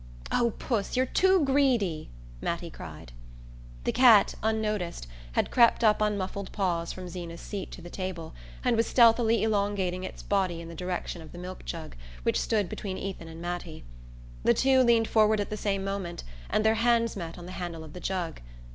"Oh, Puss, you're too greedy!" Mattie cried. The cat, unnoticed, had crept up on muffled paws from Zeena's seat to the table, and was stealthily elongating its body in the direction of the milk jug, which stood between Ethan and Mattie. The two leaned forward at the same moment and their hands met on the handle of the jug.